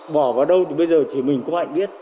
bỏ vào đâu thì bây giờ chỉ mình cô hạnh biết